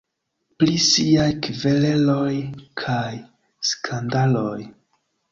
Pri siaj kvereloj kaj skandaloj.